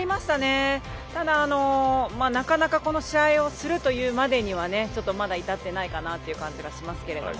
ただ、なかなか試合をするというまでにはまだ至っていないかなという感じがします。